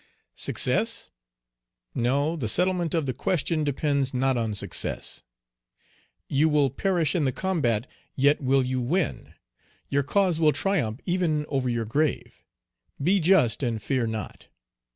Success? No, the settlement of the question depends not on success. You will perish in the combat, yet will you win; your cause will triumph even over your grave. Be just, and fear not.